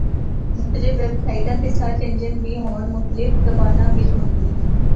مختلف ویپ سائٹاں تے سرچ انجن بھی ہونڑ مختلف زباناں بچ موجود ہن۔